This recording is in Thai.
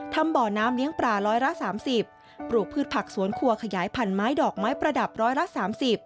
ทำบ่อน้ำเลี้ยงปลาร้อยละ๓๐ปลูกพืชผักสวนครัวขยายผันไม้ดอกไม้ประดับร้อยละ๓๐